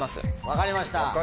分かりました。